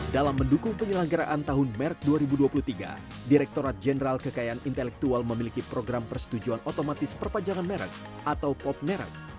dalam mendukung penyelenggaraan tahun merek dua ribu dua puluh tiga direkturat jenderal kekayaan intelektual memiliki program persetujuan otomatis perpanjangan merek atau pop merek